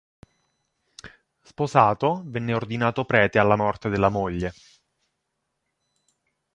Sposato, venne ordinato prete alla morte della moglie.